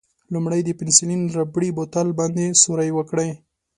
لومړی د پنسیلین ربړي بوتل باندې سوری وکړئ.